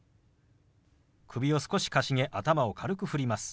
首を少しかしげ頭を軽く振ります。